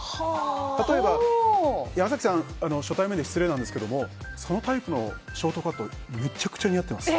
例えば、山崎さん初対面で失礼なんですけどそのタイプのショートカット無茶苦茶に会ってます。